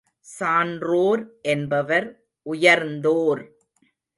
சான்றோர் என்பவர் உயர்ந்தோர்.